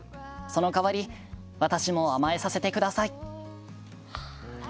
その代わり私も甘えさせてください」。